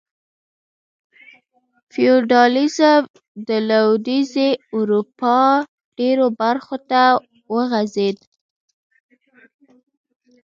فیوډالېزم د لوېدیځې اروپا ډېرو برخو ته وغځېد.